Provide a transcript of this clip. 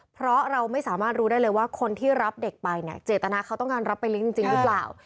เพราะเราไม่สามารถรู้ได้เลยว่าคนที่รับเด็กไปเนี่ยเจตนาเขาต้องการรับไปเลี้ยงจริงหรือเปล่า